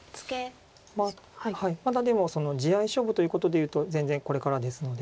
まだでも地合い勝負ということでいうと全然これからですので。